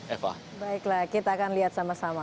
eva baiklah kita akan lihat sama sama